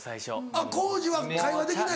あっ皇治は会話できない。